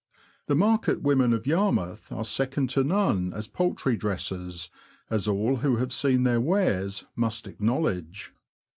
The market women of Yarmouth are second to none as poultry dressers, as all who have seen their wares must acknowledge.